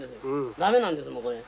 慣れなんですもうこれ。